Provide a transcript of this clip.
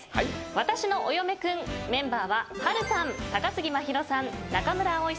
『わたしのお嫁くん』メンバーは波瑠さん高杉真宙さん中村蒼さん。